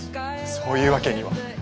そういうわけには。